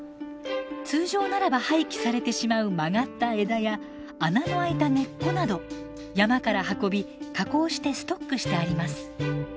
通常ならば廃棄されてしまう曲がった枝や穴の開いた根っこなど山から運び加工してストックしてあります。